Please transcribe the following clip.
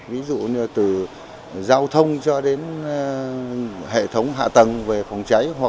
ví dụ như từ giao thông cho đến hệ thống hạ tầng về phòng cháy